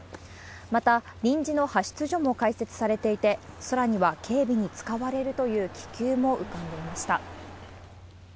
また、臨時の派出所も開設されていて、空には警備に使われるという気球も浮かんでいました。